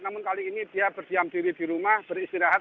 namun kali ini dia berdiam diri di rumah beristirahat